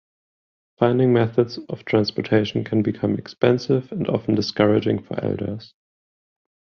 Finding methods of transportation can become expensive and often discouraging for elders.